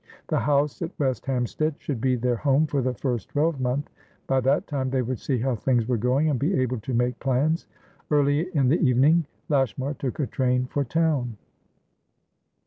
The house at West Hampstead should be their home for the first twelvemonth; by that time they would see how things were going, and be able to make plans. Early in the evening, Lashmar took a train for town.